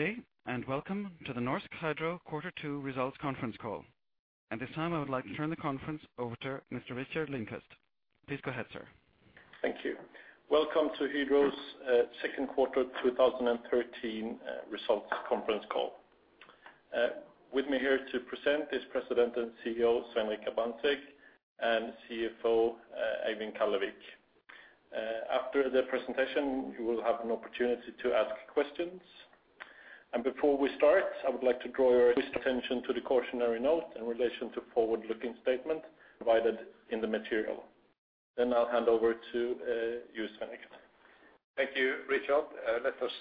Good day, and welcome to the Norsk Hydro Quarter Two Results Conference Call. At this time, I would like to turn the conference over to Mr. Rikard Lindqvist. Please go ahead, sir. Thank you. Welcome to Hydro's second quarter 2013 results conference call. With me here to present is President and CEO, Svein Brandtzæg, and CFO, Eivind Kallevik. After the presentation, you will have an opportunity to ask questions. Before we start, I would like to draw your attention to the cautionary note in relation to forward-looking statement provided in the material. I'll hand over to you, Svein. Thank you, Rikard. Let us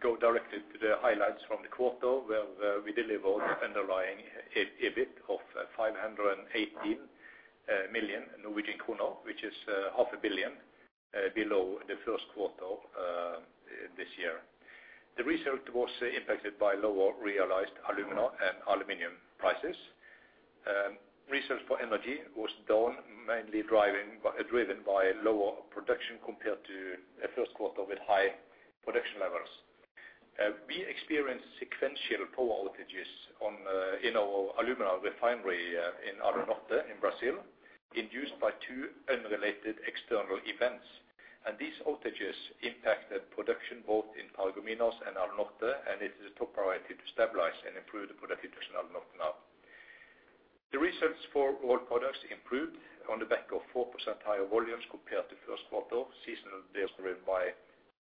go directly to the highlights from the quarter, where we delivered underlying EBIT of 518 million Norwegian kroner, which is 500 million below the first quarter this year. The result was impacted by lower realized alumina and aluminum prices. Results for energy was down, mainly driven by lower production compared to the first quarter with high production levels. We experienced sequential power outages in our alumina refinery in Alunorte in Brazil, induced by two unrelated external events. These outages impacted production both in Paragominas and Alunorte, and it is a top priority to stabilize and improve the productivity of Alunorte now. The results for all products improved on the back of 4% higher volumes compared to first quarter, seasonal days driven by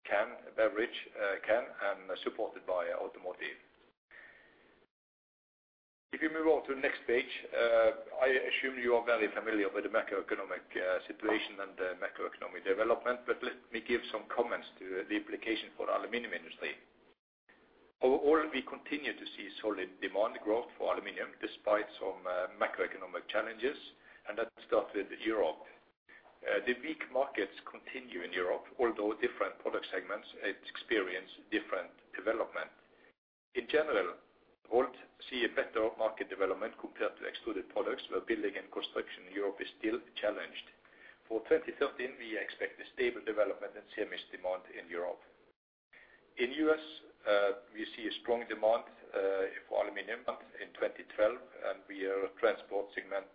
can beverage, can and supported by automotive. If you move on to the next page, I assume you are very familiar with the macroeconomic situation and the macroeconomic development, but let me give some comments to the applications for aluminum industry. Overall, we continue to see solid demand growth for aluminum, despite some macroeconomic challenges, and that started in Europe. The weak markets continue in Europe, although different product segments experience different development. In general, we'll see a better market development compared to extruded products, where building and construction in Europe is still challenged. For 2013, we expect a stable development and same demand in Europe. In U.S., we see a strong demand for aluminum in 2012, and our transport segment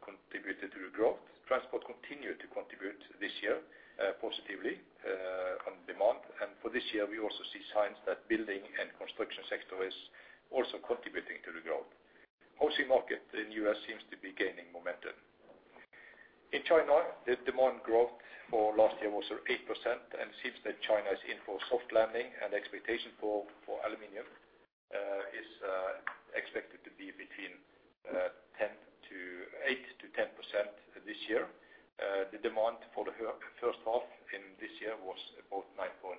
contributed to the growth. Transport continued to contribute this year positively to demand. For this year, we also see signs that building and construction sector is also contributing to the growth. Housing market in U.S. seems to be gaining momentum. In China, the demand growth for last year was 8%, and it seems that China is in for soft landing and expectation for aluminum is expected to be between 8%-10% this year. The demand for the first half in this year was about 9.3%.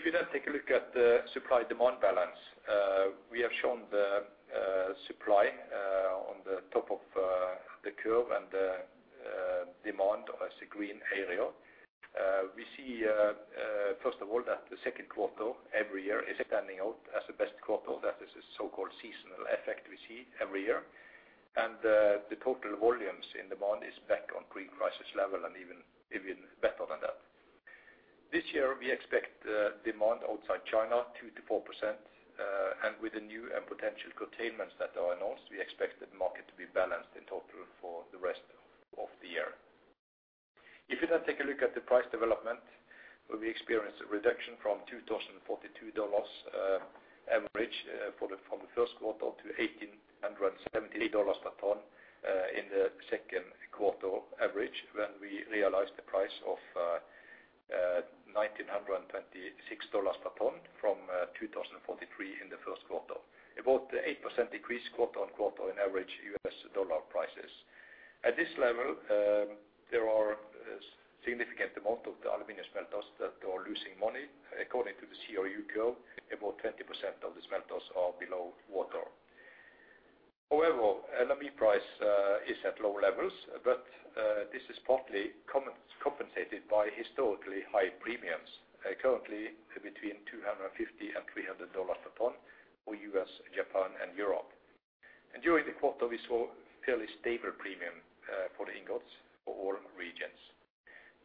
If you then take a look at the supply-demand balance, we have shown the supply on the top of the curve and the demand as a green area. We see first of all that the second quarter every year is standing out as the best quarter. That is a so-called seasonal effect we see every year. The total volumes in demand is back on pre-crisis level and even better than that. This year, we expect demand outside China 2%-4%, and with the new and potential curtailments that are announced, we expect the market to be balanced in total for the rest of the year. If you now take a look at the price development, we experienced a reduction from $2,042 average from the first quarter to $1,873 per ton in the second quarter average, when we realized the price of $1,926 per ton from $2,043 in the first quarter. About 8% decrease quarter-over-quarter in average U.S. dollar prices. At this level, there are a significant amount of the aluminum smelters that are losing money. According to the CRU curve, about 20% of the smelters are below water. However, LME price is at lower levels, but this is partly compensated by historically high premiums currently between $250 and $300 per ton for U.S., Japan and Europe. During the quarter, we saw fairly stable premium for the ingots for all regions.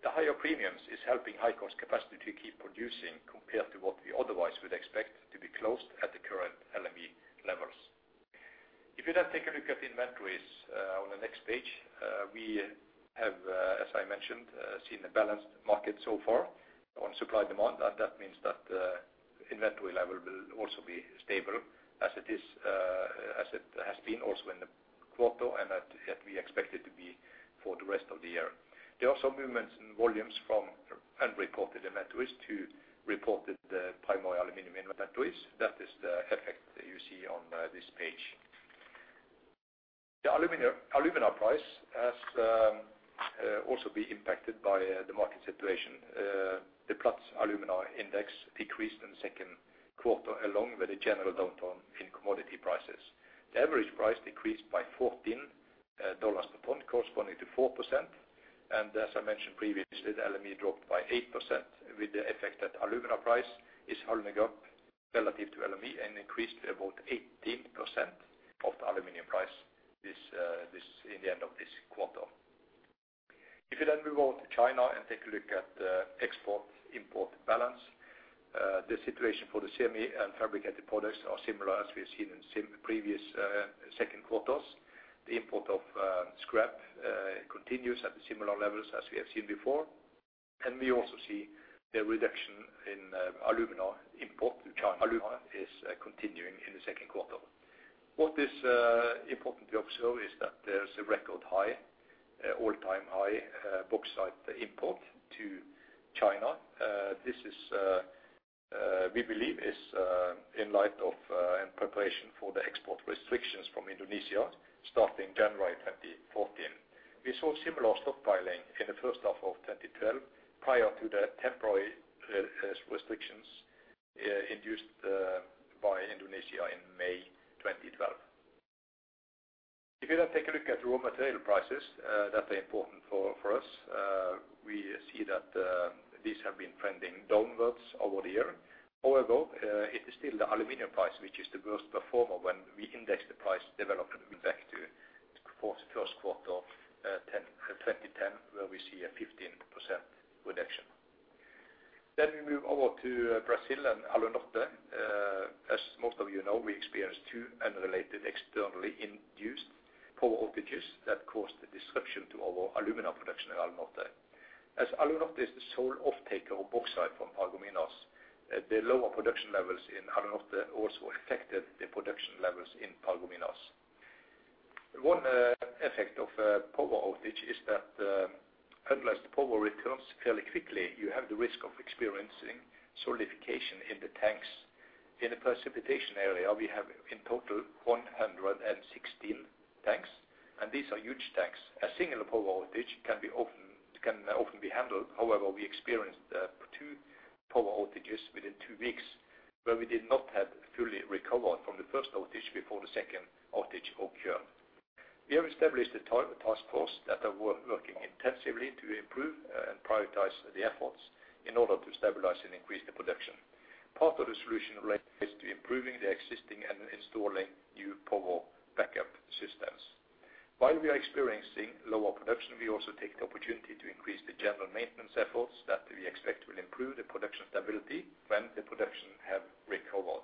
The higher premiums is helping high cost capacity to keep producing compared to what we otherwise would expect to be closed at the current LME levels. If you then take a look at inventories on the next page, we have, as I mentioned, seen a balanced market so far on supply demand. That means that inventory level will also be stable as it is, as it has been also in the quarter and that we expect it to be for the rest of the year. There are some movements in volumes from unreported inventories to reported primary aluminum inventories. That is the effect that you see on this page. The aluminum, alumina price has also been impacted by the market situation. The Platts alumina index decreased in the second quarter along with a general downturn in commodity prices. The average price decreased by $14 per ton, corresponding to 4%. As I mentioned previously, the LME dropped by 8% with the effect that alumina price is holding up relative to LME and increased about 18% over the aluminum price in the end of this quarter. If you then move on to China and take a look at export-import balance, the situation for the semi and fabricated products are similar as we have seen in previous second quarters. The import of scrap continues at the similar levels as we have seen before. We also see a reduction in alumina import. China alumina is continuing in the second quarter. What is important to observe is that there's a record high all-time high bauxite import to China. This, we believe, is in light of and preparation for the export restrictions from Indonesia starting January 2014. We saw similar stockpiling in the first half of 2012 prior to the temporary restrictions induced by Indonesia in May 2012. If you take a look at raw material prices that are important for us, we see that these have been trending downwards over the year. However, it is still the aluminum price which is the worst performer when we index the price development back to for the first quarter of 2010, where we see a 15% reduction. We move over to Brazil and Alunorte. As most of you know, we experienced two unrelated externally induced power outages that caused a disruption to our alumina production at Alunorte. As Alunorte is the sole offtaker of bauxite from Paragominas, the lower production levels in Alunorte also affected the production levels in Paragominas. One effect of a power outage is that, unless the power returns fairly quickly, you have the risk of experiencing solidification in the tanks. In the precipitation area, we have in total 116 tanks, and these are huge tanks. A single power outage can often be handled. However, we experienced two power outages within two weeks, where we did not have fully recovered from the first outage before the second outage occurred. We have established a task force that are working intensively to improve and prioritize the efforts in order to stabilize and increase the production. Part of the solution relates to improving the existing and installing new power backup systems. While we are experiencing lower production, we also take the opportunity to increase the general maintenance efforts that we expect will improve the production stability when the production have recovered.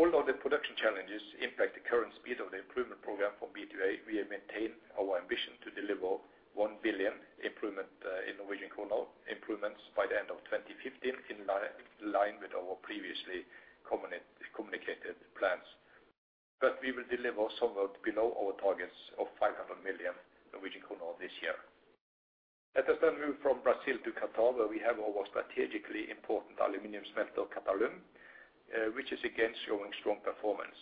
Although the production challenges impact the current speed of the improvement program for B to A, we have maintained our ambition to deliver 1 billion improvement in Norwegian krone improvements by the end of 2015, in line with our previously communicated plans. We will deliver somewhat below our targets of 500 million Norwegian krone this year. Let us move from Brazil to Qatar, where we have our strategically important aluminum smelter, Qatalum, which is again showing strong performance.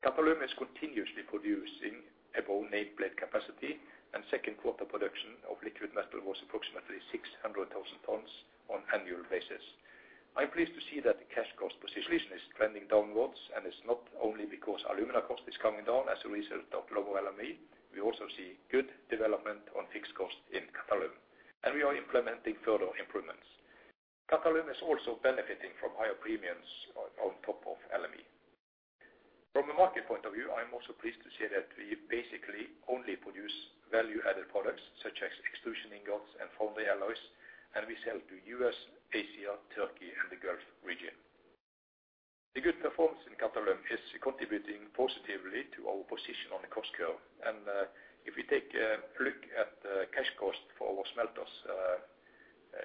Qatalum is continuously producing above nameplate capacity, and second quarter production of liquid metal was approximately 600,000 tons on annual basis. I'm pleased to see that the cash cost position is trending downwards, and it's not only because alumina cost is coming down as a result of lower LME. We also see good development on fixed cost in Qatalum, and we are implementing further improvements. Qatalum is also benefiting from higher premiums on top of LME. From a market point of view, I am also pleased to say that we basically only produce value-added products such as extrusion ingots and foundry alloys, and we sell to U.S., Asia, Turkey, and the Gulf region. The good performance in Qatalum is contributing positively to our position on the cost curve. If you take a look at the cash cost for our smelters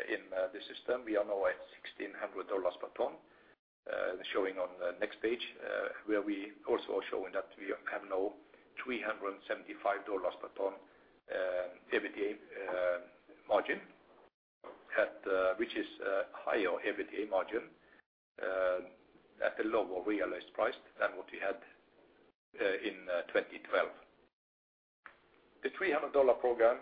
in the system, we are now at $1,600 per ton, showing on the next page, where we also are showing that we have now $375 per ton EBITDA margin at which is a higher EBITDA margin at a lower realized price than what we had in 2012. The $300 program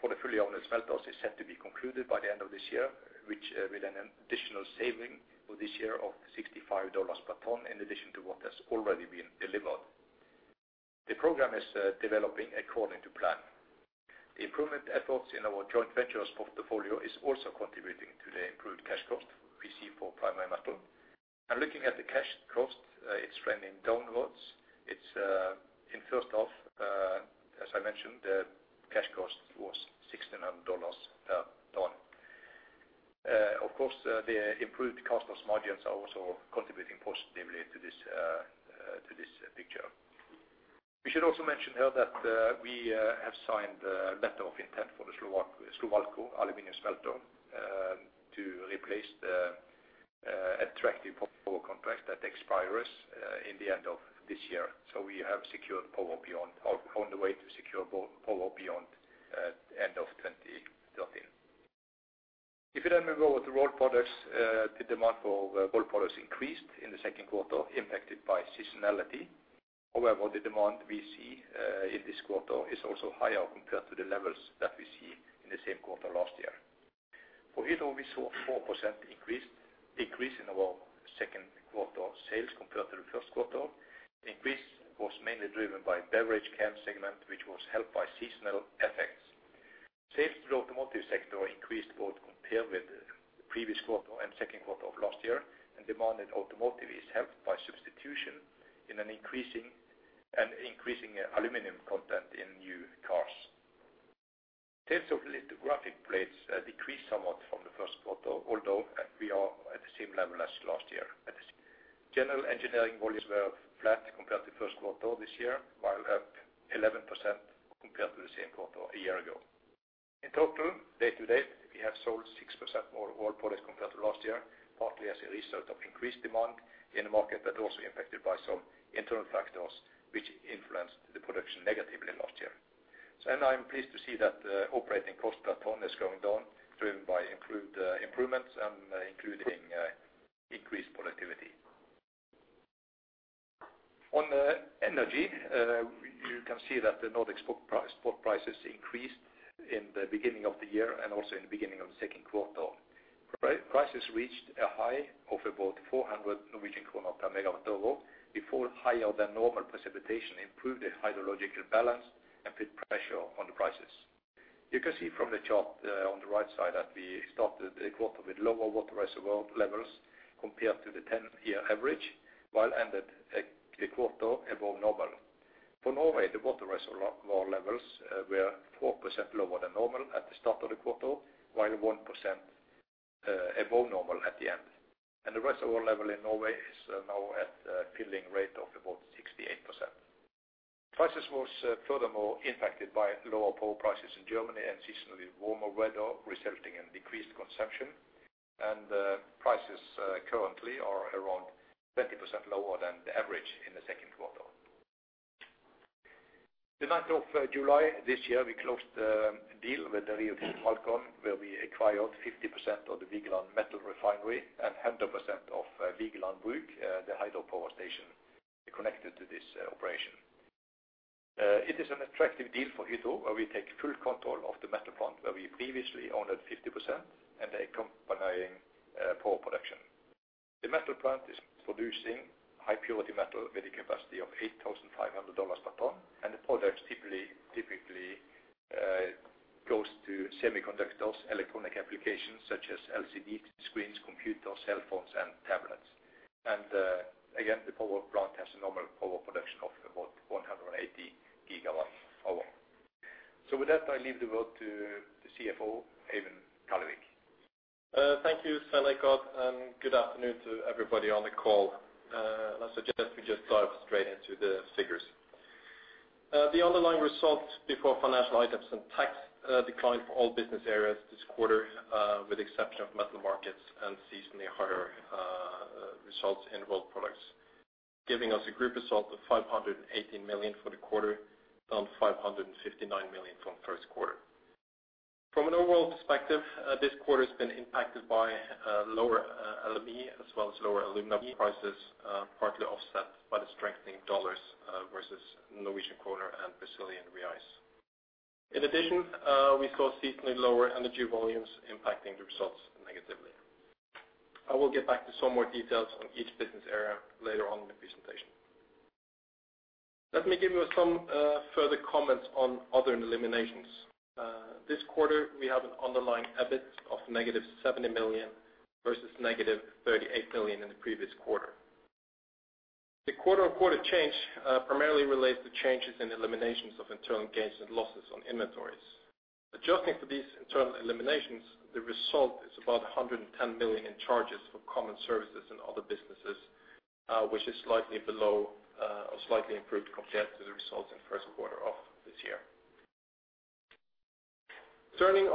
for the fully-owned smelters is set to be concluded by the end of this year, which with an additional saving for this year of $65 per ton in addition to what has already been delivered. The program is developing according to plan. The improvement efforts in our joint ventures portfolio is also contributing to the improved cash cost we see for primary metal. Looking at the cash cost, it's trending downwards. It's in first half, as I mentioned, cash cost was $1,600 per ton. Of course, the improved cost plus margins are also contributing positively to this, to this picture. We should also mention here that we have signed a letter of intent for the Slovalco aluminum smelter to replace the attractive power contract that expires in the end of this year. We have secured power beyond or on the way to secure power beyond end of 2013. If you then move over to rolled products, the demand for rolled products increased in the second quarter, impacted by seasonality. However, the demand we see in this quarter is also higher compared to the levels that we see in the same quarter last year. For Hydro we saw a 4% increase in our second quarter sales compared to the first quarter. The increase was mainly driven by beverage can segment, which was helped by seasonal effects. Sales to the automotive sector increased both compared with the previous quarter and second quarter of last year, and demand in automotive is helped by substitution in an increasing aluminum content in new cars. Sales of lithographic plates decreased somewhat from the first quarter, although we are at the same level as last year. General engineering volumes were flat compared to first quarter this year, while up 11% compared to the same quarter a year ago. In total, day to day, we have sold 6% more raw products compared to last year, partly as a result of increased demand in the market, but also impacted by some internal factors which influenced the production negatively last year. I'm pleased to see that operating cost per ton is going down, driven by improvements including increased productivity. On energy, you can see that the Nordic spot prices increased in the beginning of the year and also in the beginning of the second quarter. Prices reached a high of about 400 Norwegian kroner per MWh before higher than normal precipitation improved the hydrological balance and put pressure on the prices. You can see from the chart on the right side that we started the quarter with lower water reservoir levels compared to the 10-year average, while we ended the quarter above normal. For Norway, the water reservoir levels were 4% lower than normal at the start of the quarter, while 1% above normal at the end. The reservoir level in Norway is now at a filling rate of about 68%. Prices was furthermore impacted by lower power prices in Germany and seasonally warmer weather resulting in decreased consumption. Prices currently are around 20% lower than the average in the second quarter. The 9th of July this year, we closed a deal with the Rio Alcan, where we acquired 50% of the Vigeland Metal Refinery and 100% of Vigelands Brug, the hydropower station connected to this operation. It is an attractive deal for Hydro, where we take full control of the metal plant, where we previously owned at 50% and accompanying power production. The metal plant is producing high purity metal with a capacity of 8,500 tons, and the products typically goes to semiconductors, electronic applications such as LCD screens, computers, cell phones and tablets. The power plant has a normal power production of about 180 GWh. With that, I leave the word to the CFO, Eivind Kallevik. Thank you, Svein Richard, and good afternoon to everybody on the call. I suggest we just dive straight into the figures. The underlying results before financial items and tax declined for all business areas this quarter, with the exception of metal markets and seasonally higher results in raw products. Giving us a group result of 580 million for the quarter, down 559 million from first quarter. From an overall perspective, this quarter's been impacted by lower LME, as well as lower aluminum prices, partly offset by the strengthening dollars versus Norwegian kroner and Brazilian reais. In addition, we saw seasonally lower energy volumes impacting the results negatively. I will get back to some more details on each business area later on in the presentation. Let me give you some further comments on other eliminations. This quarter, we have an underlying EBIT of -70 million, versus -38 million in the previous quarter. The quarter-on-quarter change primarily relates to changes in eliminations of internal gains and losses on inventories. Adjusting for these internal eliminations, the result is about 110 million in charges for common services and other businesses, which is slightly below or slightly improved compared to the results in first quarter of this year. Turning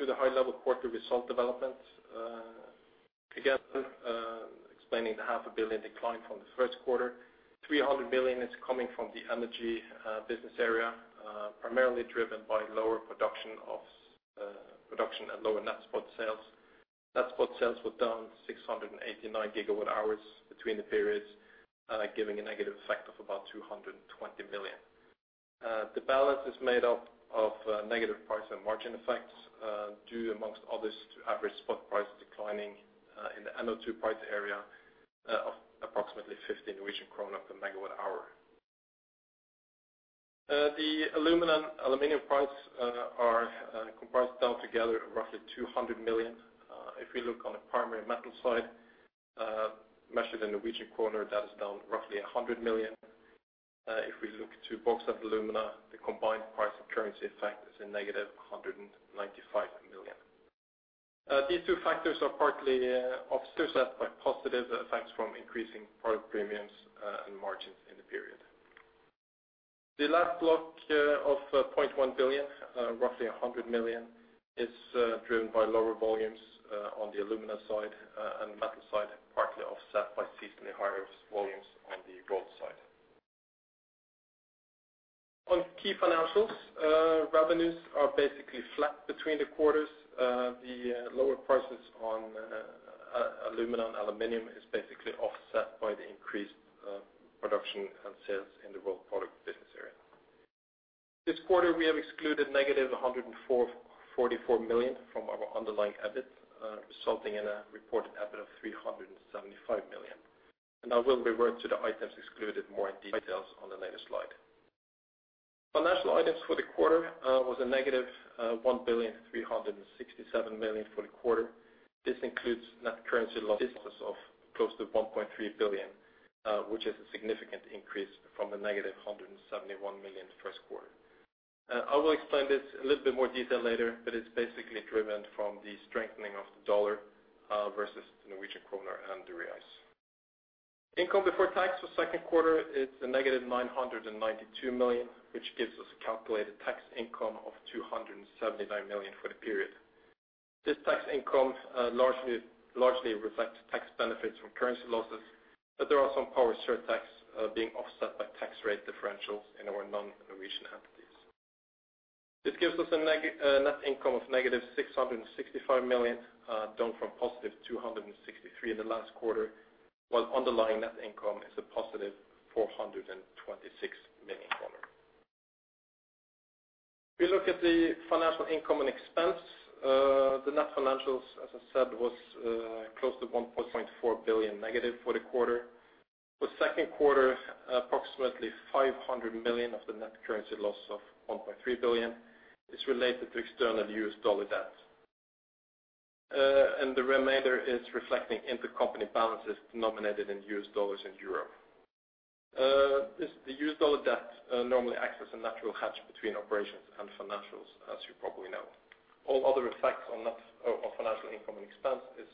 to the high level quarter result development, together explaining the 500 million decline from the first quarter, 300 million is coming from the energy business area, primarily driven by lower production and lower net spot sales. Net spot sales were down 689 GWh between the periods, giving a negative effect of about 220 million. The balance is made up of negative price and margin effects, due among others to average spot prices declining in the NO2 price area of approximately 50 Norwegian kroner per MWh. The aluminum price impacts are down together roughly 200 million. If we look on the primary metal side, measured in Norwegian kroner, that is down roughly 100 million. If we look to Bauxite & Alumina, the combined price and currency effect is a negative 195 million. These two factors are partly offset by positive effects from increasing product premiums and margins in the period. The last block of 0.1 billion, roughly 100 million is driven by lower volumes on the alumina side and metal side, partly offset by seasonally higher volumes on the raw side. On key financials, revenues are basically flat between the quarters. The lower prices on alumina and aluminum is basically offset by the increased production and sales in the raw product business area. This quarter, we have excluded negative 44 million from our underlying EBIT, resulting in a reported EBIT of 375 million. I will revert to the items excluded more in details on the later slide. Our financial items for the quarter was a -1.367 billion for the quarter. This includes net currency losses of close to 1.3 billion, which is a significant increase from the -171 million first quarter. I will explain this a little bit more detail later, but it's basically driven from the strengthening of the dollar versus the Norwegian kroner and the reais. Income before tax for second quarter is a -992 million, which gives us a calculated tax income of 279 million for the period. This tax income largely reflects tax benefits from currency losses, but there are some power surtax being offset by tax rate differentials in our non-Norwegian entities. This gives us a net income of -665 million, down from +263 in the last quarter, while underlying net income is a +NOK 426 million. If we look at the financial income and expense, the net financials, as I said, was close to -1.4 billion for the quarter. For second quarter, approximately 500 million of the net currency loss of 1.3 billion is related to external U.S. Dollar debt. The remainder is reflecting intercompany balances denominated in U.S. Dollars and euro. The U.S. Dollar debt normally acts as a natural hedge between operations and financials, as you probably know. All other effects on financial income and expense is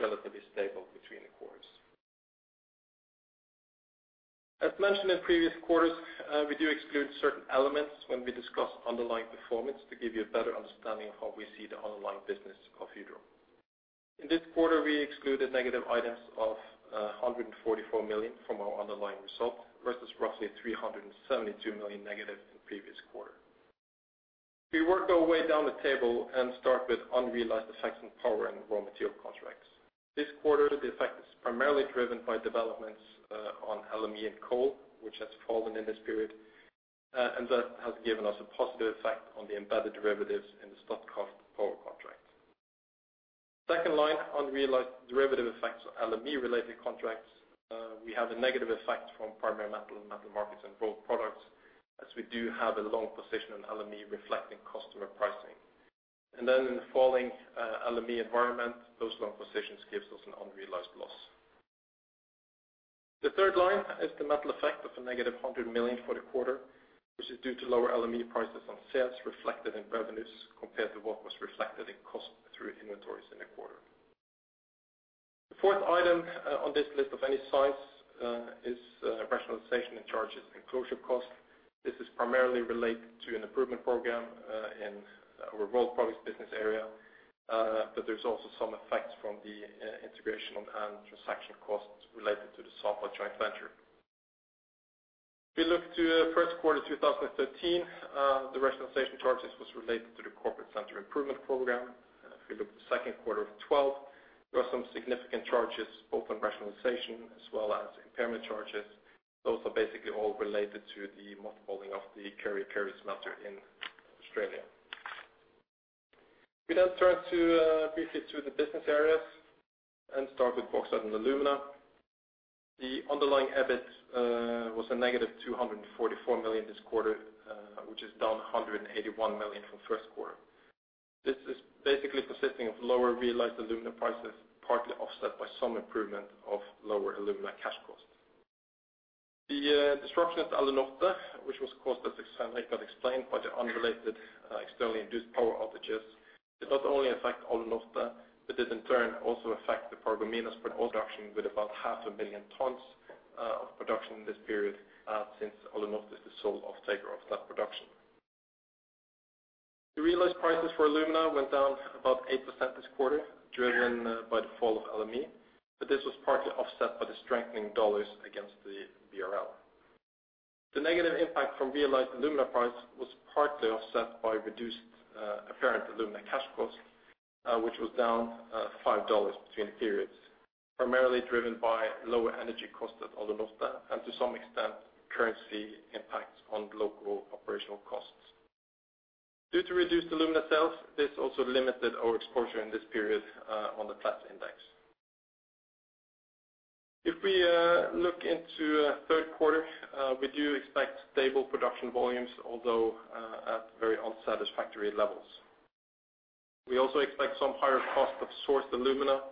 relatively stable between the quarters. As mentioned in previous quarters, we do exclude certain elements when we discuss underlying performance to give you a better understanding of how we see the underlying business of Hydro. In this quarter, we excluded negative items of 144 million from our underlying result versus roughly 372 million negative the previous quarter. We work our way down the table and start with unrealized effects on power and raw material contracts. This quarter, the effect is primarily driven by developments on LME and coal, which has fallen in this period, and that has given us a positive effect on the embedded derivatives in the Statkraft power contract. Second line, unrealized derivative effects on LME-related contracts. We have a negative effect from primary metal and metal markets and rolled products, as we do have a long position on LME reflecting customer pricing. In the falling LME environment, those long positions gives us an unrealized loss. The third line is the metal effect of a negative 100 million for the quarter, which is due to lower LME prices on sales reflected in revenues compared to what was reflected in cost through inventories in the quarter. The fourth item on this list of any size is rationalization and charges and closure costs. This is primarily related to an improvement program in our rolled products business area, but there's also some effects from the integration and handover transaction costs related to the Sapa joint venture. If we look at first quarter 2013, the rationalization charges was related to the corporate center improvement program. If we look at the second quarter of 2012, there were some significant charges both on rationalization as well as impairment charges. Those are basically all related to the mothballing of the Kurri Kurri smelter in Australia. We now turn briefly to the business areas and start with Bauxite & Alumina. The underlying EBIT was -244 million this quarter, which is down 181 million from first quarter. This is basically consisting of lower realized alumina prices, partly offset by some improvement of lower alumina cash costs. The disruption at Alunorte, which was caused as I explained by the unrelated externally induced power outages, did not only affect Alunorte, but it in turn also affect the Paragominas production with about 500 million tons of production in this period, since Alunorte is the sole offtaker of that production. The realized prices for alumina went down about 8% this quarter, driven by the fall of LME, but this was partly offset by the strengthening dollars against the BRL. The negative impact from realized alumina price was partly offset by reduced apparent alumina cash costs, which was down $5 between periods, primarily driven by lower energy costs at Alunorte and to some extent currency impacts on local operational costs. Due to reduced alumina sales, this also limited our exposure in this period on the Platts index. If we look into third quarter, we do expect stable production volumes, although at very unsatisfactory levels. We also expect some higher cost of sourced alumina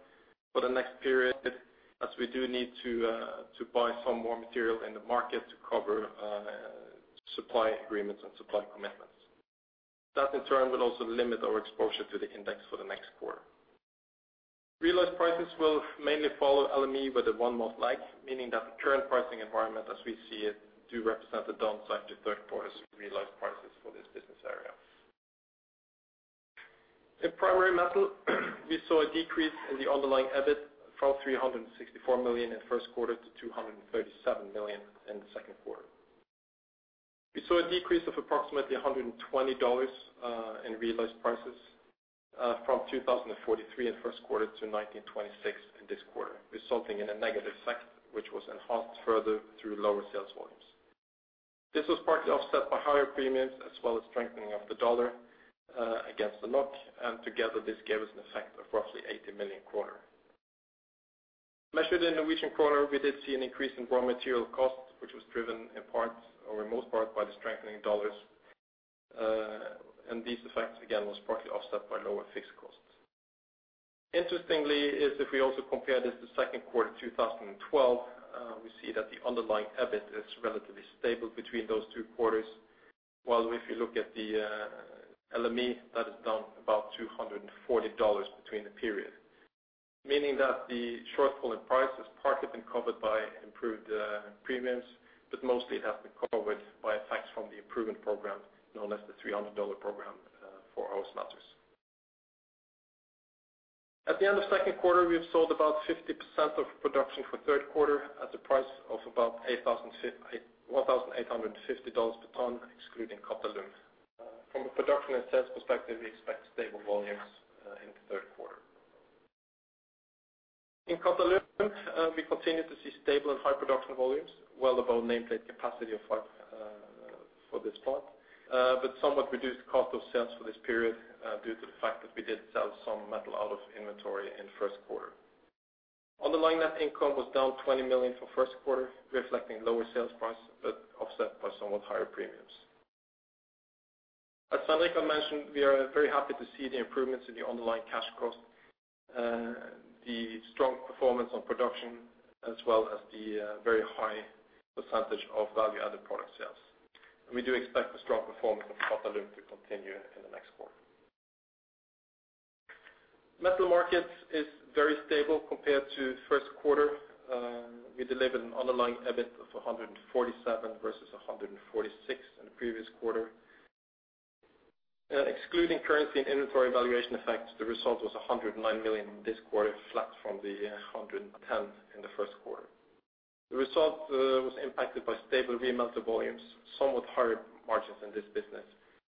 for the next period, as we do need to buy some more material in the market to cover supply agreements and supply commitments. That in turn will also limit our exposure to the index for the next quarter. Realized prices will mainly follow LME with a one-month lag, meaning that the current pricing environment as we see it do represent the downside to third quarter's realized prices for this business area. In Primary Metal, we saw a decrease in the underlying EBIT from 364 million in first quarter to 237 million in the second quarter. We saw a decrease of approximately $120 in realized prices from $2043 in first quarter to $1926 in this quarter, resulting in a negative effect, which was enhanced further through lower sales volumes. This was partly offset by higher premiums as well as strengthening of the dollar against the NOK, and together this gave us an effect of roughly 80 million kroner. Measured in Norwegian kroner, we did see an increase in raw material costs, which was driven in parts, or in most part by the strengthening dollars, and these effects again was partly offset by lower fixed costs. Interestingly, if we also compare this to second quarter 2012, we see that the underlying EBIT is relatively stable between those two quarters, while if you look at the LME, that is down about $240 between the period. Meaning that the shortfall in price has partly been covered by improved premiums, but mostly it has been covered by effects from the improvement program, known as the $300 program, for our smelters. At the end of second quarter, we have sold about 50% of production for third quarter at the price of about $1,850 per ton, excluding Qatalum. From a production and sales perspective, we expect stable volumes in the third quarter. In Qatalum, we continue to see stable and high production volumes, well above nameplate capacity of five for this plant. But somewhat reduced cost of sales for this period, due to the fact that we did sell some metal out of inventory in first quarter. Underlying net income was down 20 million for first quarter, reflecting lower sales price, but offset by somewhat higher premiums. As Svein mentioned, we are very happy to see the improvements in the underlying cash costs, the strong performance on production, as well as the very high percentage of value-added product sales. We do expect the strong performance of Qatalum to continue in the next quarter. Metal markets is very stable compared to first quarter. We delivered an underlying EBIT of 147 million versus 146 million in the previous quarter. Excluding currency and inventory valuation effects, the result was 109 million this quarter, flat from the 110 million in the first quarter. The result was impacted by stable remelt volumes, somewhat higher margins in this business,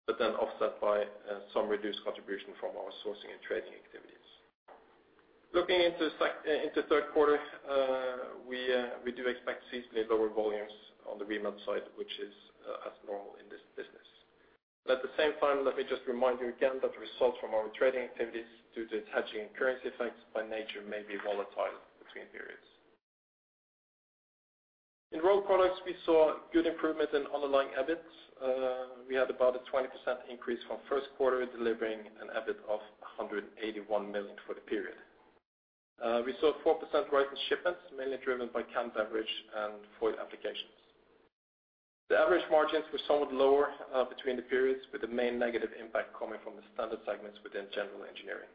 but then offset by some reduced contribution from our sourcing and trading activities. Looking into third quarter, we do expect seasonally lower volumes on the remelt side, which is, as normal in this business. At the same time, let me just remind you again that the results from our trading activities due to hedging and currency effects by nature may be volatile between periods. In rolled products, we saw good improvement in underlying EBIT. We had about a 20% increase from first quarter, delivering an EBIT of 181 million for the period. We saw a 4% rise in shipments, mainly driven by canned beverage and foil applications. The average margins were somewhat lower between the periods, with the main negative impact coming from the standard segments within general engineering.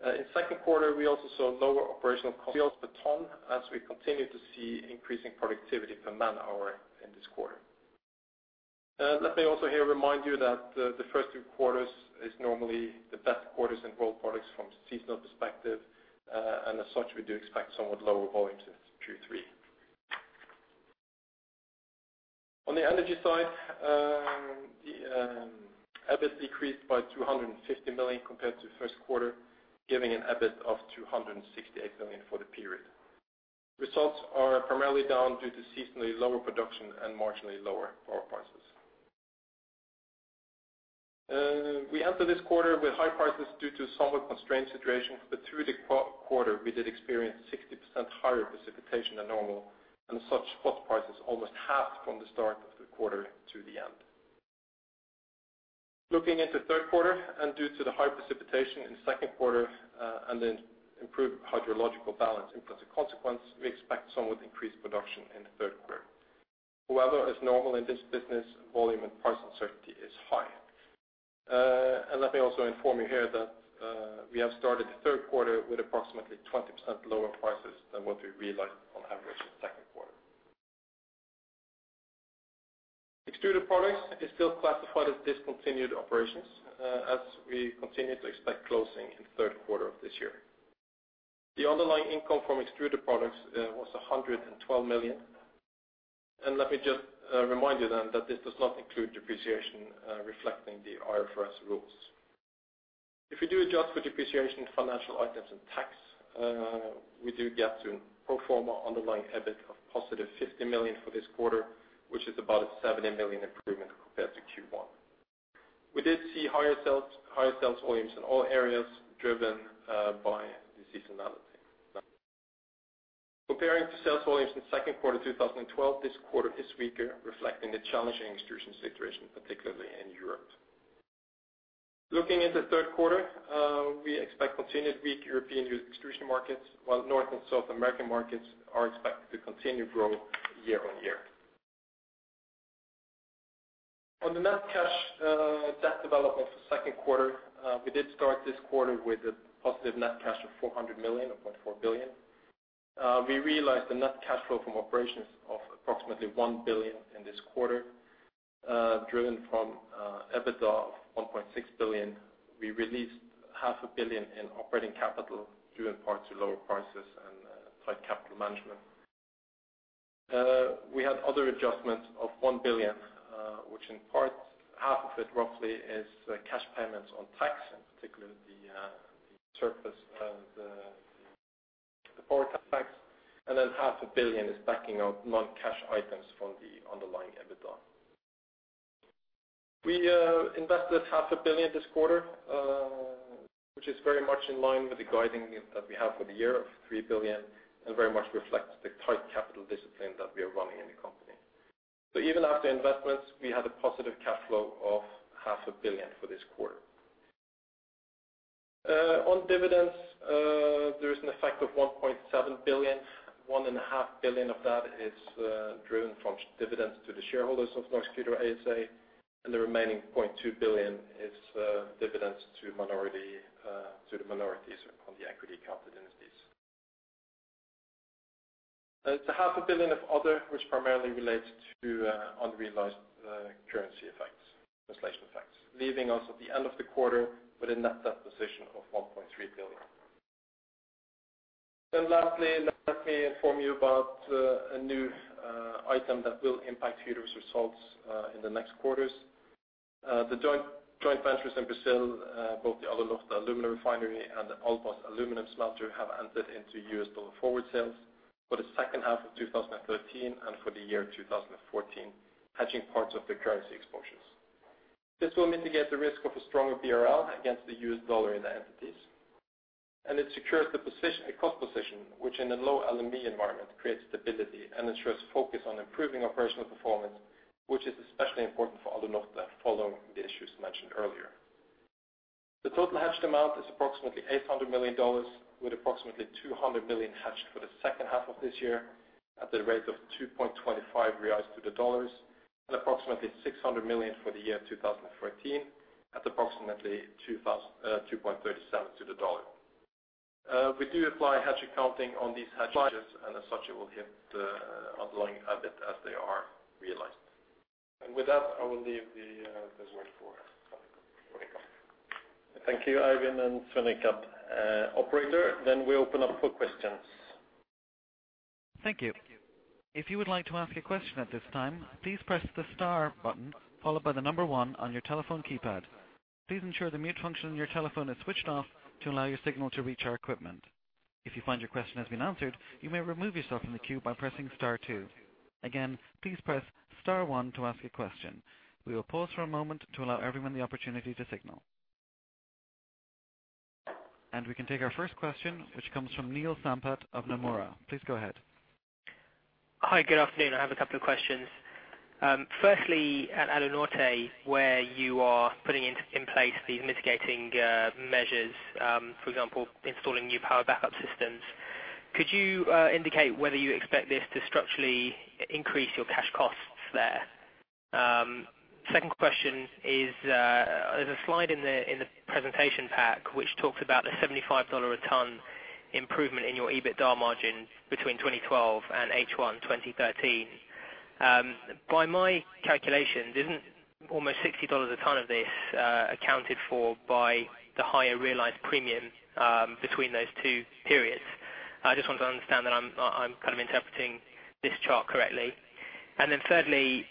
In second quarter, we also saw lower operational costs per ton as we continued to see increasing productivity per man hour in this quarter. Let me also here remind you that the first two quarters is normally the best quarters in rolled products from seasonal perspective. As such, we do expect somewhat lower volumes in Q3. On the energy side, the EBIT decreased by 250 million compared to first quarter, giving an EBIT of 268 million for the period. Results are primarily down due to seasonally lower production and marginally lower power prices. We entered this quarter with high prices due to somewhat constrained situation, but through the quarter, we did experience 60% higher precipitation than normal, and such spot prices almost halved from the start of the quarter to the end. Looking into third quarter, due to the high precipitation in second quarter, and then improved hydrological balance in consequence, we expect somewhat increased production in the third quarter. However, as normal in this business, volume and price uncertainty is high. Let me also inform you here that we have started the third quarter with approximately 20% lower prices than what we realized on average in second quarter. Extruded products is still classified as discontinued operations, as we continue to expect closing in the third quarter of this year. The underlying income from extruded products was 112 million. Let me just remind you then that this does not include depreciation, reflecting the IFRS rules. If we do adjust for depreciation, financial items, and tax, we do get to pro forma underlying EBIT of +50 million for this quarter, which is about a 70 million improvement compared to Q1. We did see higher sales, higher sales volumes in all areas driven by the seasonality. Comparing to sales volumes in second quarter 2012, this quarter is weaker, reflecting the challenging extrusion situation, particularly in Europe. Looking into third quarter, we expect continued weak European extrusion markets, while North and South American markets are expected to continue growth year-over-year. On the net cash debt development for second quarter, we did start this quarter with a positive net cash of 400 million, or 0.4 billion. We realized a net cash flow from operations of approximately 1 billion in this quarter, driven from EBITDA of 1.6 billion. We released 500 million in operating capital due in part to lower prices and tight capital management. We had other adjustments of 1 billion, which in part, half of it roughly is cash payments on tax, in particular the surplus of the power tax, and then 500 million is backing out non-cash items from the underlying EBITDA. We invested 500 million this quarter, which is very much in line with the guidance that we have for the year of 3 billion, and very much reflects the tight capital discipline that we are running in the company. Even after investments, we had a positive cash flow of 500 million for this quarter. On dividends, there is an effect of 1.7 billion. 1.5 billion of that is driven from dividends to the shareholders of Norsk Hydro ASA, and the remaining 0.2 billion is dividends to the minorities on the equity-accounted entities. There's a 500 million of other which primarily relates to unrealized currency effects, translation effects, leaving us at the end of the quarter with a net debt position of 1.3 billion. Lastly, let me inform you about a new item that will impact future results in the next quarters. The joint ventures in Brazil, both the Alunorte alumina refinery and the Albras aluminum smelter, have entered into U.S. dollar forward sales for the second half of 2013 and for the year 2014, hedging parts of the currency exposures. This will mitigate the risk of a stronger BRL against the US dollar in the entities. It secures the position, the cost position, which in a low LME environment creates stability and ensures focus on improving operational performance, which is especially important for Alunorte following the issues mentioned earlier. The total hedged amount is approximately $800 million with approximately $200 million hedged for the second half of this year at the rate of 2.25 reais to the dollar and approximately $600 million for the year 2014 at approximately 2.37 to the dollar. We do apply hedge accounting on these hedges, and as such, it will hit underlying EBIT as they are realized. With that, I will leave the podium for uncretain. Thank you, Eivind and Svein Richard. Operator, we open up for questions. Thank you. If you would like to ask a question at this time, please press the star button followed by the number one on your telephone keypad. Please ensure the mute function on your telephone is switched off to allow your signal to reach our equipment. If you find your question has been answered, you may remove yourself from the queue by pressing star two. Again, please press star one to ask a question. We will pause for a moment to allow everyone the opportunity to signal. We can take our first question, which comes from Neil Sampat of Nomura. Please go ahead. Hi, good afternoon. I have a couple of questions. Firstly, at Alunorte, where you are putting in place these mitigating measures, for example, installing new power backup systems, could you indicate whether you expect this to structurally increase your cash costs there? Second question is, there's a slide in the presentation pack which talks about the $75 a ton improvement in your EBITDA margin between 2012 and H1 2013. By my calculations, isn't almost $60 a ton of this accounted for by the higher realized premium between those two periods? I just want to understand that I'm kind of interpreting this chart correctly. Thirdly,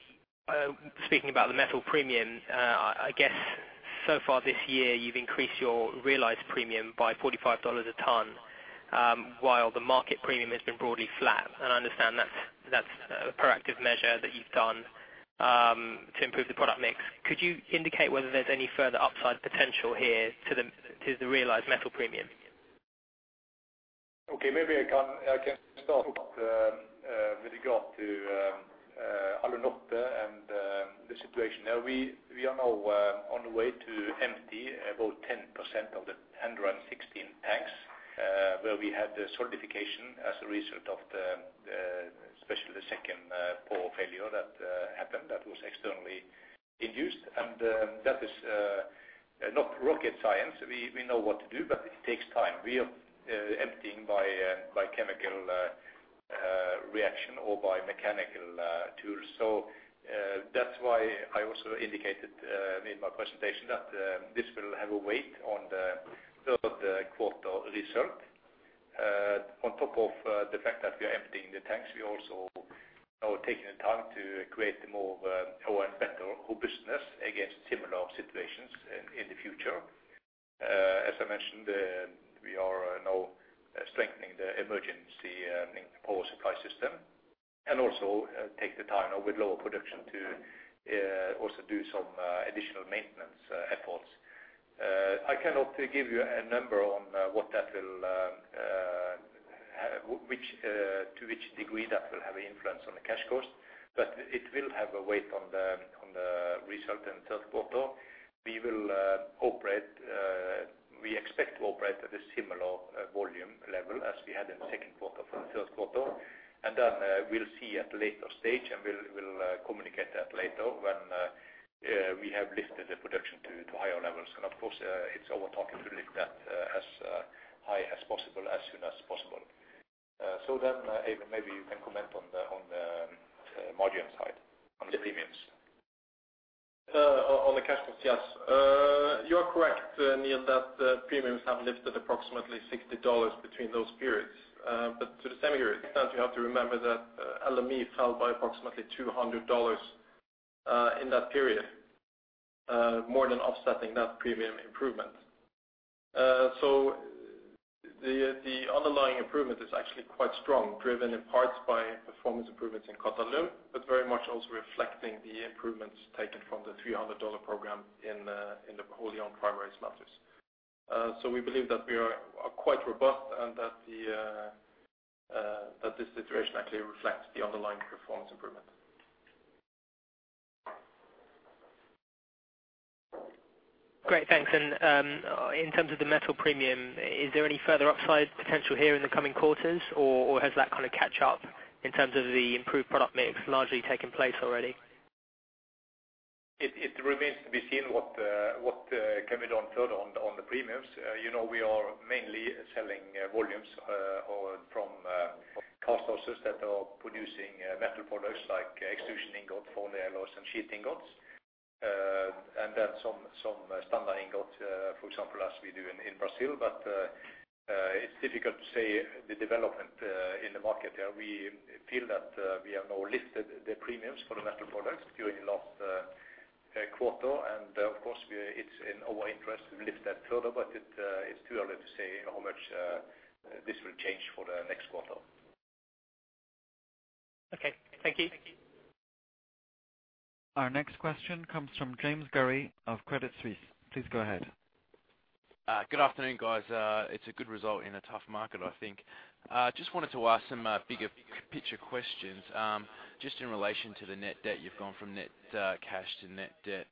speaking about the metal premium, I guess so far this year, you've increased your realized premium by $45 a ton, while the market premium has been broadly flat. I understand that's a proactive measure that you've done to improve the product mix. Could you indicate whether there's any further upside potential here to the realized metal premium? Okay, maybe I can start with regard to Alunorte and the situation there. We are now on the way to empty about 10% of the 116 tanks, where we had the solidification as a result of the especially the second pole failure that happened that was externally induced. That is not rocket science. We know what to do, but it takes time. We are emptying by chemical reaction or by mechanical tools. That's why I also indicated in my presentation that this will have a weight on the third quarter result. On top of the fact that we are emptying the tanks, we also are taking the time to create a more better robustness against similar situations in the future. As I mentioned, we are now strengthening the emergency power supply system and also take the time with lower production to also do some additional maintenance efforts. I cannot give you a number on to which degree that will have an influence on the cash cost, but it will have a weight on the result in the third quarter. We expect to operate at a similar volume level as we had in the second quarter for the third quarter. Then we'll see at later stage, and we'll communicate that later when we have lifted the production to higher levels. Of course, it's our target to lift that as high as possible as soon as possible. Eivind, maybe you can comment on the margin side, on the premiums. On the cash flows, yes. You are correct, Neil, that the premiums have lifted approximately $60 between those periods. To the same extent, you have to remember that LME fell by approximately $200 in that period. More than offsetting that premium improvement. The underlying improvement is actually quite strong, driven in parts by performance improvements in Qatalum, but very much also reflecting the improvements taken from the $300 program in the fully-owned primary smelters. We believe that we are quite robust and that this situation actually reflects the underlying performance improvement. Great. Thanks. In terms of the metal premium, is there any further upside potential here in the coming quarters, or has that kinda catch up in terms of the improved product mix largely taking place already? It remains to be seen what can be done further on the premiums. You know, we are mainly selling volumes from casthouses that are producing metal products like extrusion ingot, foundry alloys and sheet ingots. Some standard ingot, for example, as we do in Brazil. It's difficult to say the development in the market there. We feel that we have now lifted the premiums for the metal products during last quarter. Of course, it's in our interest to lift that further, but it's too early to say how much this will change for the next quarter. Okay. Thank you. Our next question comes from James Gurry of Credit Suisse. Please go ahead. Good afternoon, guys. It's a good result in a tough market, I think. Just wanted to ask some bigger picture questions. Just in relation to the net debt. You've gone from net cash to net debt,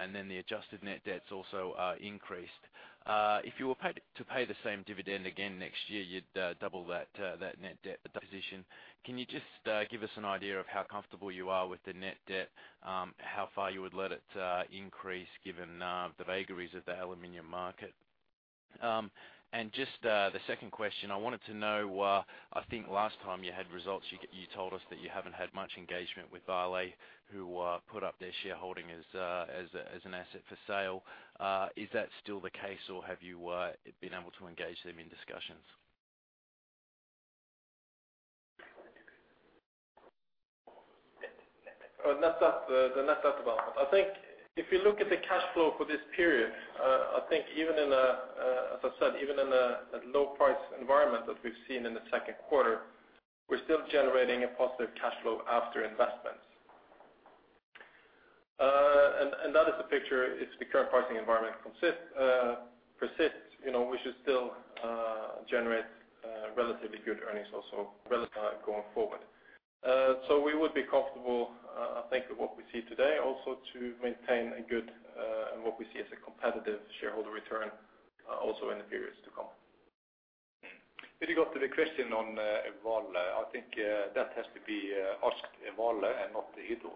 and then the adjusted net debt also is increased. If you were to pay the same dividend again next year, you'd double that net debt position. Can you just give us an idea of how comfortable you are with the net debt, how far you would let it increase given the vagaries of the aluminum market? Just the second question. I wanted to know, I think last time you had results, you told us that you haven't had much engagement with Vale, who put up their shareholding as an asset for sale. Is that still the case, or have you been able to engage them in discussions? Net debt, the net debt development. I think if you look at the cash flow for this period, I think even in a, as I said, even in a low price environment that we've seen in the second quarter, we're still generating a positive cash flow after investments. That is the picture if the current pricing environment persists, you know, we should still generate relatively good earnings also relatively going forward. We would be comfortable, I think with what we see today also to maintain a good and what we see as a competitive shareholder return, also in the periods to come. With regard to the question on Vale, I think that has to be asked Vale and not the Hydro.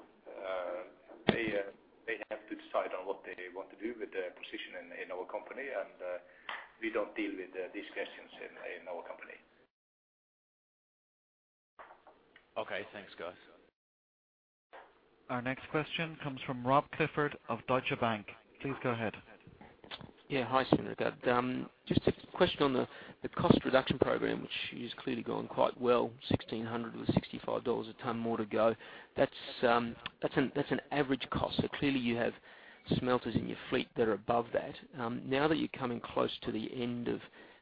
They have to decide on what they want to do with their position in our company. We don't deal with these questions in our company. Okay. Thanks, guys. Our next question comes from Rob Clifford of Deutsche Bank. Please go ahead. Hi, Svein Richard. Just a question on the cost reduction program, which is clearly going quite well, $1,600 with $65 a ton more to go. That's an average cost. Clearly you have smelters in your fleet that are above that. Now that you're coming close to the end of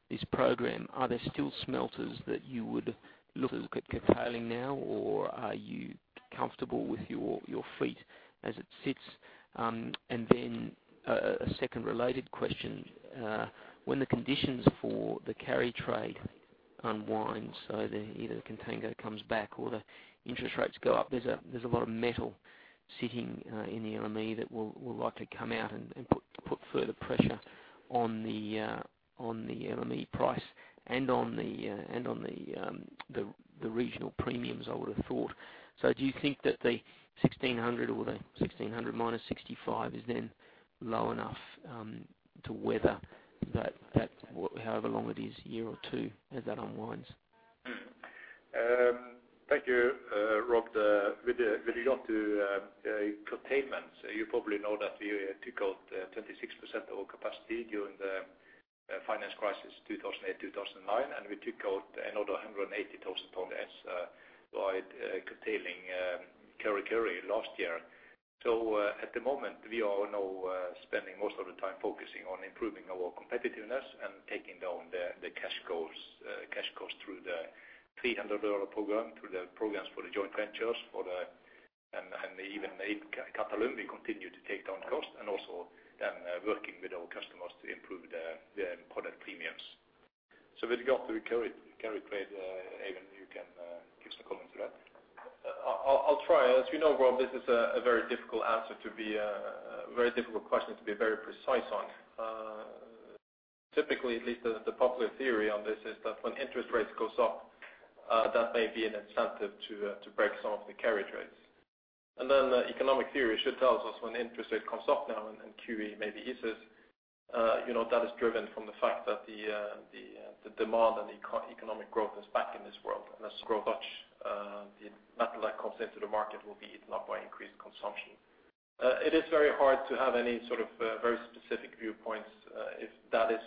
this program, are there still smelters that you would look at curtailing now, or are you comfortable with your fleet as it sits? A second related question. When the conditions for the carry trade unwind, either the contango comes back or the interest rates go up, there's a lot of metal sitting in the LME that will likely come out and put further pressure on the LME price and on the regional premiums, I would've thought. Do you think that the $1,600 or the $1,600 - $65 is then low enough to weather that however long it is, a year or two as that unwinds? Thank you, Rob. With regard to curtailments, you probably know that we took out 26% of our capacity during the financial crisis, 2008, 2009. We took out another 180,000 tons by curtailing Kurri Kurri last year. At the moment, we are now spending most of the time focusing on improving our competitiveness and taking down the cash costs through the $300 program, through the programs for the joint ventures, and even in Qatalum we continue to take down costs and also then working with our customers to improve the product premiums. With regard to the carry trade, Even, you can give some comment to that. I'll try. As you know, Rob, this is a very difficult question to be very precise on. Typically, at least the popular theory on this is that when interest rates goes up, that may be an incentive to break some of the carry trades. Then economic theory should tell us when interest rate comes up now and QE maybe eases, you know, that is driven from the fact that the demand and economic growth is back in this world. As growth, the metal that comes into the market will be eaten up by increased consumption. It is very hard to have any sort of very specific viewpoints if that is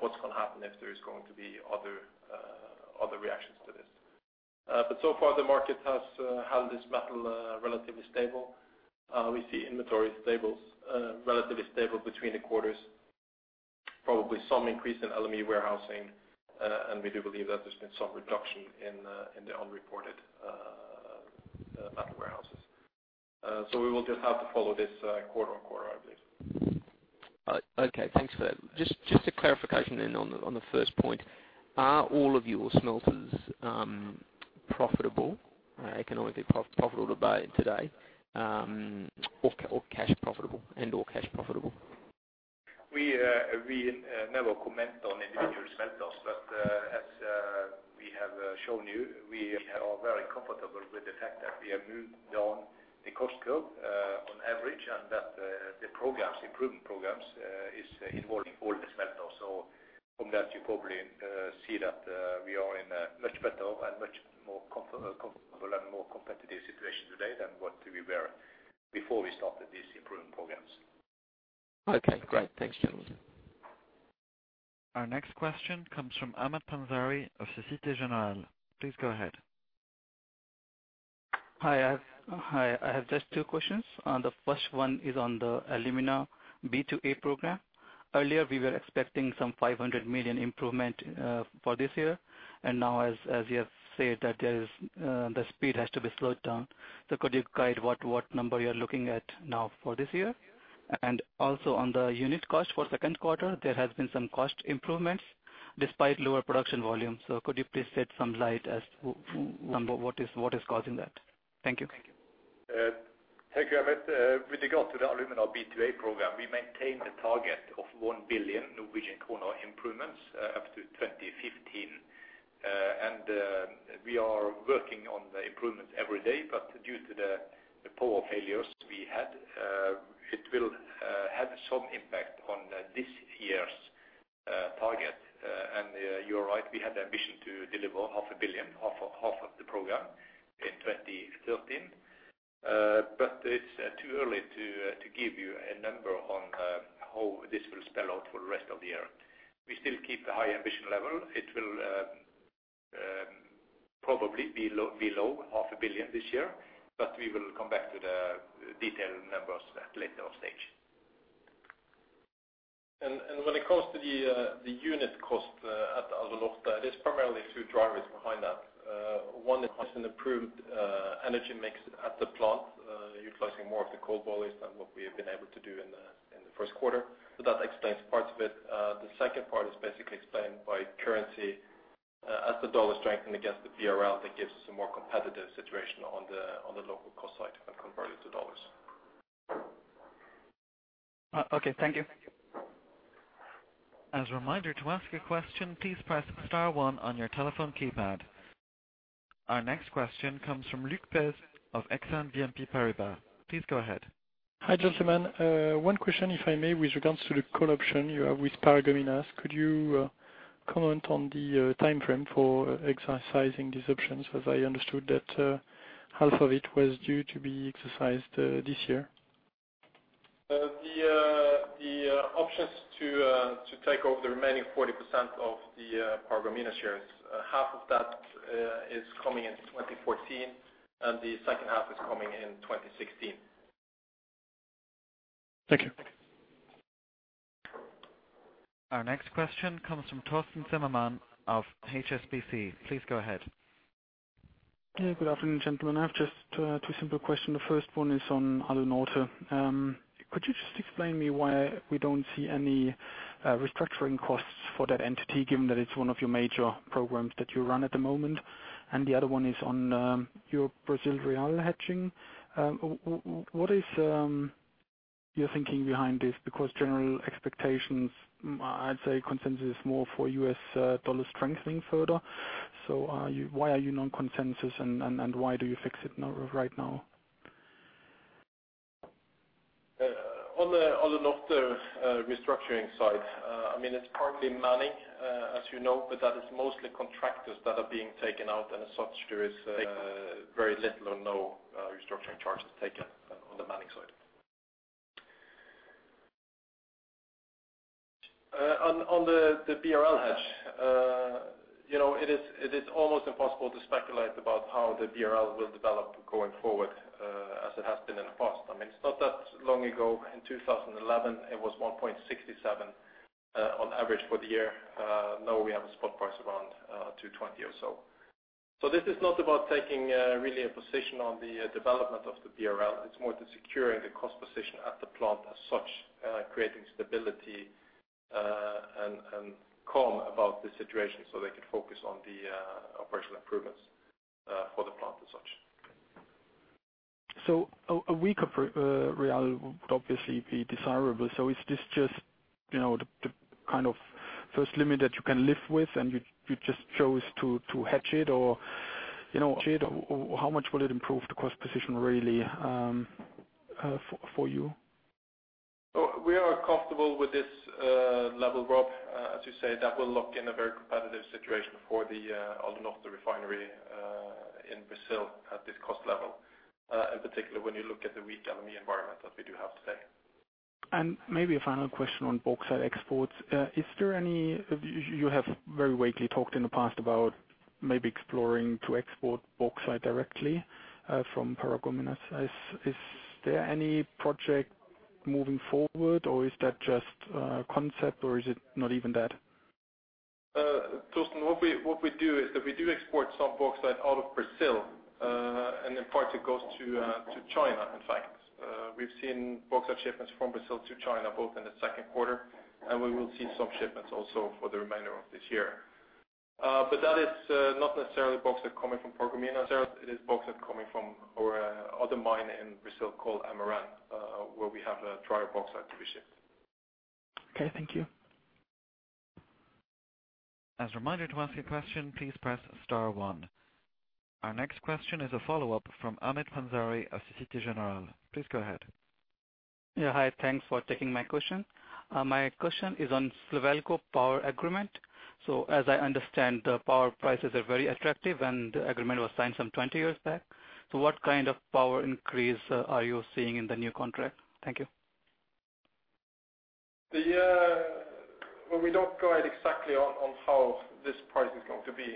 what's gonna happen, if there's going to be other reactions to that. So far the market has held this metal relatively stable. We see inventory stable relatively stable between the quarters, probably some increase in LME warehousing. We do believe that there's been some reduction in the unreported metal warehouses. We will just have to follow this quarter-over-quarter, I believe. Okay. Thanks for that. Just a clarification on the first point. Are all of your smelters profitable, economically profitable today, or cash profitable and/or cash profitable? We never comment on individual smelters. As we have shown you, we are very comfortable with the fact that we have moved down the cost curve on average, and that the programs, improvement programs, is involving all the smelters. From that, you probably see that we are in a much better and much more comfortable and more competitive situation today than what we were before we started these improvement programs. Okay, great. Thanks, gentlemen. Our next question comes from Amit Pansari of Société Générale. Please go ahead. Hi. I have just two questions. The first one is on the Alumina B to A program. Earlier, we were expecting some 500 million improvement for this year. Now, as you have said, the speed has to be slowed down. Could you guide what number you're looking at now for this year? Also, on the unit cost for second quarter, there has been some cost improvements despite lower production volumes. Could you please shed some light as to what is causing that? Thank you. Thank you, Amit. With regard to the alumina B to A program, we maintain the target of 1 billion Norwegian kroner improvements up to 2015. We are working on the improvements every day, but due to the power failures we had, it will have some impact on this year's target. You are right, we had the ambition to deliver half a billion, half of the program in 2013. But it's too early to give you a number on how this will spell out for the rest of the year. We still keep the high ambition level. It will probably be below 500 million this year, but we will come back to the detailed numbers at a later stage. When it comes to the unit cost at Alunorte, there's primarily two drivers behind that. One is an improved energy mix at the plant, utilizing more of the coal boilers than what we have been able to do in the first quarter. That explains parts of it. The second part is basically explained by currency. As the dollar strengthened against the BRL, that gives us a more competitive situation on the local cost side when converted to dollars. Okay. Thank you. As a reminder, to ask a question, please press star one on your telephone keypad. Our next question comes from Luc Péz of Exane BNP Paribas. Please go ahead. Hi, gentlemen. One question, if I may, with regards to the call option you have with Paragominas. Could you comment on the timeframe for exercising these options, as I understood that half of it was due to be exercised this year? The options to take over the remaining 40% of the Paragominas shares, half of that is coming in 2014, and the second half is coming in 2016. Thank you. Our next question comes from Thorsten Zimmermann of HSBC. Please go ahead. Yeah, good afternoon, gentlemen. I have just two simple question. The first one is on Alunorte. Could you just explain me why we don't see any restructuring costs for that entity, given that it's one of your major programs that you run at the moment? The other one is on your Brazil real hedging. What is your thinking behind this? Because general expectations, I'd say consensus is more for U.S. dollar strengthening further. So why are you non-consensus, and why do you fix it now, right now? On the Alunorte restructuring side, I mean, it's partly manning, as you know, but that is mostly contractors that are being taken out, and as such, there is very little or no restructuring charges taken on the manning side. On the BRL hedge, you know, it is almost impossible to speculate about how the BRL will develop going forward, as it has been in the past. I mean, it's not that long ago, in 2011, it was 1.67 on average for the year. Now we have a spot price around 2.20 or so. This is not about taking really a position on the development of the BRL. It's more to securing the cost position at the plant as such, creating stability, and calm about the situation, so they can focus on the operational improvements for the plant as such. A weaker real would obviously be desirable. Is this just, you know, the kind of first limit that you can live with, and you just chose to hedge it? Or, you know, hedge it, how much will it improve the cost position really, for you? We are comfortable with this level, Rob. As you say, that will lock in a very competitive situation for the Alunorte refinery in Brazil at this cost level, in particular, when you look at the weak LME environment that we do have today. Maybe a final question on bauxite exports. Is there any? You have very vaguely talked in the past about maybe exploring to export bauxite directly from Paragominas. Is there any project moving forward, or is that just a concept, or is it not even that? Thorsten, what we do is that we do export some bauxite out of Brazil, and in part it goes to China, in fact. We've seen bauxite shipments from Brazil to China both in the second quarter, and we will see some shipments also for the remainder of this year. That is not necessarily bauxite coming from Paragominas. It is bauxite coming from our other mine in Brazil called MRN, where we have a drier bauxite position. Okay, thank you. As a reminder, to ask a question, please press star one. Our next question is a follow-up from Amit Pansari of Société Générale. Please go ahead. Thanks for taking my question. My question is on Slovalco power agreement. As I understand, the power prices are very attractive and the agreement was signed some 20 years back. What kind of power increase are you seeing in the new contract? Thank you. Well, we don't guide exactly on how this price is going to be.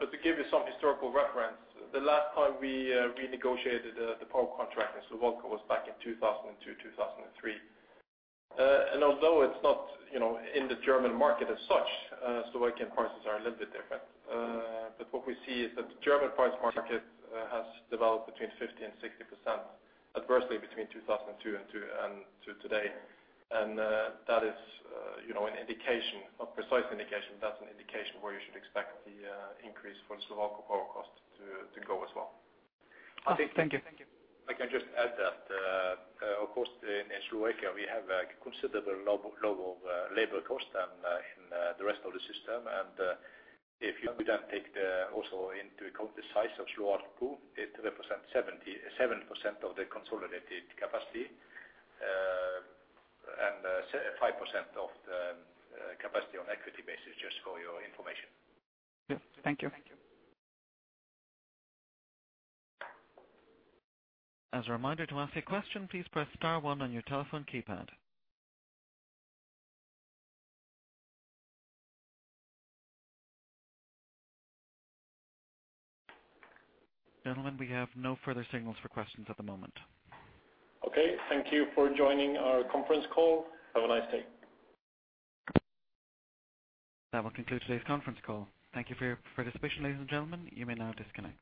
But to give you some historical reference, the last time we renegotiated the power contract in Slovalco was back in 2002, 2003. And although it's not, you know, in the German market as such, Slovakian prices are a little bit different. But what we see is that the German power market has developed 50%-60% adversely between 2002 and today. That is, you know, an indication, not precise indication, but that's an indication where you should expect the increase for Slovalco power cost to go as well. Okay, thank you. I can just add that, of course, in Slovakia we have a considerably lower level of labor cost than in the rest of the system. If you then take also into account the size of Slovalco, it represents 77% of the consolidated capacity, and 5% of the capacity on equity basis, just for your information. Yeah. Thank you. As a reminder, to ask a question, please press star one on your telephone keypad. Gentlemen, we have no further signals for questions at the moment. Okay. Thank you for joining our conference call. Have a nice day. That will conclude today's conference call. Thank you for your participation, ladies and gentlemen. You may now disconnect.